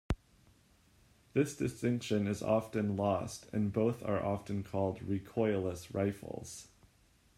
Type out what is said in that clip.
This distinction is often lost, and both are often called recoilless rifles.